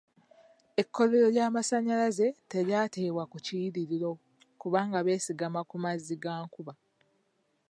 Ekkolero ly'amasanyalaze telyateebwa ku kiyiriro kubanga beesigama ku mazzi ga nkuba.